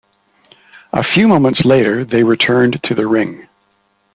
A few moments later, they returned to the ring.